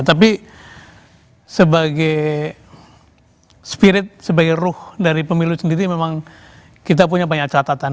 tapi sebagai spirit sebagai ruh dari pemilu sendiri memang kita punya banyak catatan